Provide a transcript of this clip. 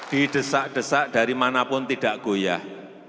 didesak desak dari manapun tidak goyah